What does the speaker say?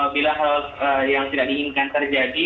bila hal yang tidak diinginkan terjadi